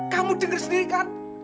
kamu denger sendiri kan